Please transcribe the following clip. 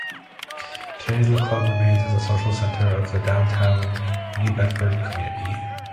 Today, the club remains as a social center of the downtown New Bedford community.